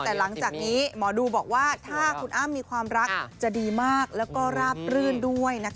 แต่หลังจากนี้หมอดูบอกว่าถ้าคุณอ้ำมีความรักจะดีมากแล้วก็ราบรื่นด้วยนะคะ